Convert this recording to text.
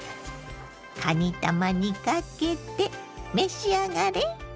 かにたまにかけて召し上がれ。